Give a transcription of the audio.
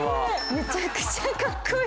めちゃくちゃかっこいい。